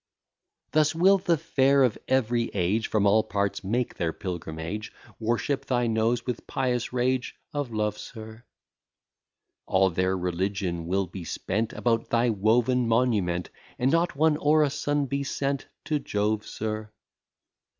Thus will the fair of every age From all parts make their pilgrimage, Worship thy nose with pious rage of love, sir: All their religion will be spent About thy woven monument, And not one orison be sent to Jove, sir.